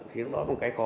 thế đó là một cái khó